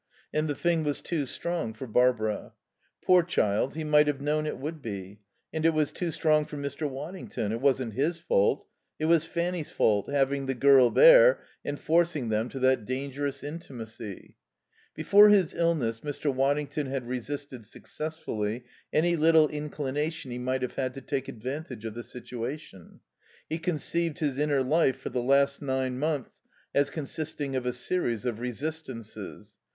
And the thing was too strong for Barbara. Poor child, he might have known it would be. And it was too strong for Mr. Waddington. It wasn't his fault. It was Fanny's fault, having the girl there and forcing them to that dangerous intimacy. Before his illness Mr. Waddington had resisted successfully any little inclination he might have had to take advantage of the situation. He conceived his inner life for the last nine months as consisting of a series of resistances.